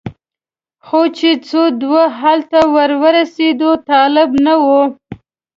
خو چې څو دوی هلته ور ورسېدل طالب نه و.